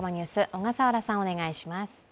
小笠原さん、お願いします。